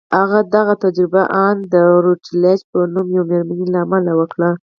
هغه دغه تجربه د ان روتليج په نوم يوې مېرمنې له امله وکړه.